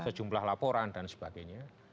sejumlah laporan dan sebagainya